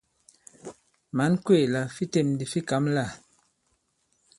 Mǎn kwéè la fi têm ndi fi kǎm lâ ?